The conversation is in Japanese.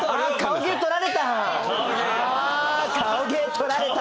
あ顔芸取られた。